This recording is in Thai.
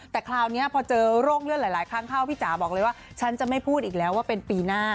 แต่คราวนี้พอเจอโรคเลือดหลายครั้งเข้าพี่จ๋าบอกเลยว่าฉันจะไม่พูดอีกแล้วว่าเป็นปีหน้า